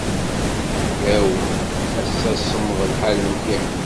Yaw! Ass-a ssemmeḍ lḥal mliḥ.